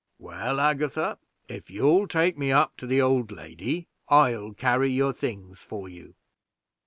"Well, Agatha, if you'll take me up to the old lady, I'll carry your things for you."